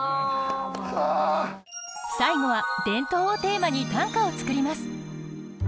最後は「伝統」をテーマに短歌を作ります。